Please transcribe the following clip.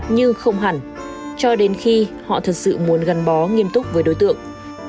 nhưng không hẳn cho đến khi họ thật sự muốn gắn bó nghiêm túc với đối tượng